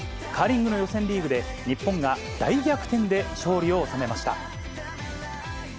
カーリングの予選リーグで、日本が大逆転で勝利を収めました。